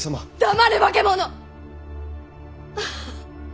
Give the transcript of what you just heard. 黙れ化け物！